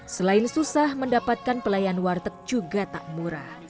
selain susah mendapatkan pelayan warteg juga tak murah